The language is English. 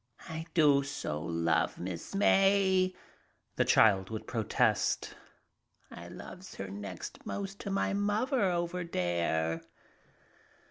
"I do so love Miss May," the child would protest. "I loves her next most to my muvver over dere."